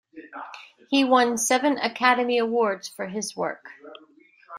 He won seven Academy Awards for his work.